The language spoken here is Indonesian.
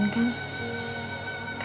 mama ketemu andin kan